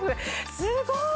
すごい！